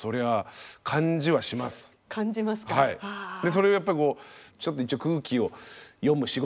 それをやっぱこうちょっと空気を読むんだけど。